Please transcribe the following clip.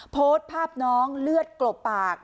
โพสต์ภาพน้องเลือดกลบปาก